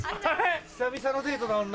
久々のデートだもんな。